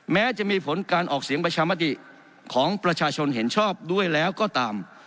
แม้จะมีผลการออกเสียงประชามติของประชาชนเห็นชอบด้วยแล้วก็ตาม